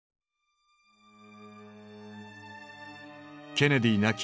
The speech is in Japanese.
ケネディ亡き